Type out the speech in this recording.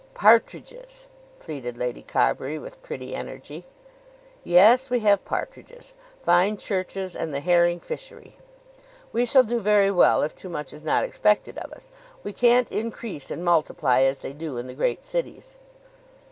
"Partridges!" pleaded Lady Carbury, with pretty energy. "Yes; we have partridges, fine churches, and the herring fishery. We shall do very well if too much is not expected of us. We can't increase and multiply as they do in the great cities."